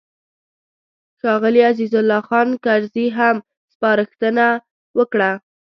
ښاغلي عزیز الله خان کرزي هم سپارښتنه وکړه.